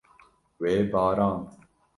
Wê barand.